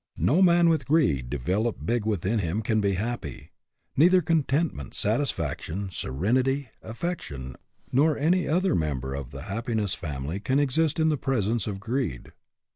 No man with greed developed big within him can be happy. Neither contentment, satisfaction, serenity, affection, nor any other member of the happiness family can exist in the presence of greed.